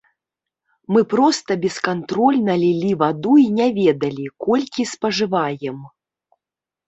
Мы проста бескантрольна лілі ваду і не ведалі, колькі спажываем.